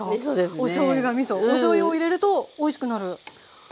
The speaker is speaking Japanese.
おしょうゆを入れるとおいしくなる？